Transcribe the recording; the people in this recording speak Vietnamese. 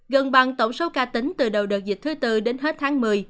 gần bằng tổng số ca tính từ đầu đợt dịch thứ tư đến hết tháng một mươi